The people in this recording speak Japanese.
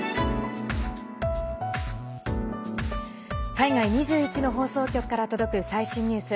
海外２１の放送局から届く最新ニュース。